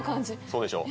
そうでしょう。